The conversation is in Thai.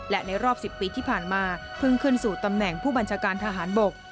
และในรอบ๑๐ปีที่ผ่านมาเพิ่งขึ้นสู่ตำแหน่งผู้บัญชาการทหารบก